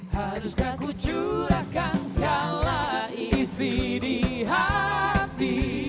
haruskah ku curahkan segala isi di hati